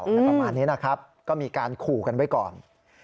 อะไรประมาณนี้นะครับก็มีการขู่กันไว้ก่อน